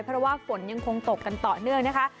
เพราะว่าฝนยังคงตกกันต่อเนื่องนะคะ